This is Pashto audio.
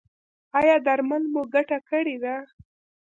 ایا درمل مو ګټه کړې ده؟